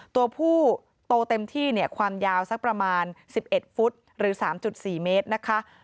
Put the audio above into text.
ตัวผู้โตเต็มที่เนี่ยความยาวสักประมาณ๑๑ฟุตหรือ๓๔เมตรนะคะ